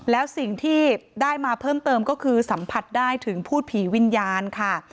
แล้วสิ่งที่ได้มาเพิ่มเติมก็คือสัมผัสได้ถึงพูดผีวิญญาณค่ะ